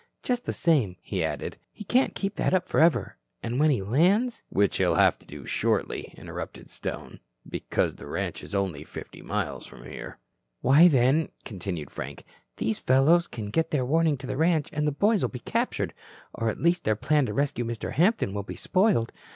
Just the same," he added, "he can't keep that up forever, and when he lands " "Which he'll have to do shortly," interrupted Stone, "because the ranch is only fifty miles from here." "Why, then," continued Frank, "these fellows can get their warning to the ranch and the boys will be captured, or at least their plan to rescue Mr. Hampton will be spoiled.